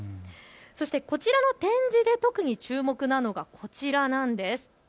そしてこちらの展示で特に注目なのが、こちらなんです。